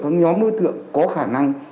các nhóm đối tượng có khả năng